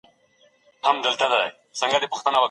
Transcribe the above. لا تور دلته غالِب دی سپین میدان ګټلی نه دی